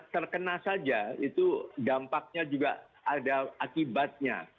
terkena saja itu dampaknya juga ada akibatnya